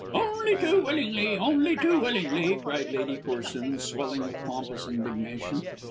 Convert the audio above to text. "Only too willingly, only too willingly," cried Lady Corsoon swelling with pompous indignation.